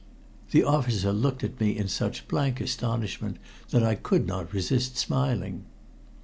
The officer looked at me in such blank astonishment that I could not resist smiling.